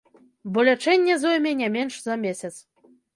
Бо лячэнне зойме не менш за месяц.